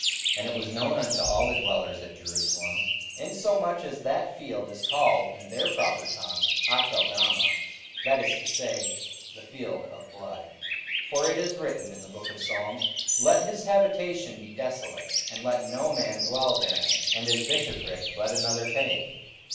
44:001:019 And it was known unto all the dwellers at Jerusalem; insomuch as that field is called in their proper tongue, Aceldama, that is to say, The field of blood. 44:001:020 For it is written in the book of Psalms, Let his habitation be desolate, and let no man dwell therein: and his bishoprick let another take.